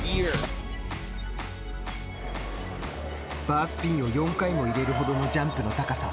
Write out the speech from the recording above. バースピンを４回も入れるほどのジャンプの高さ。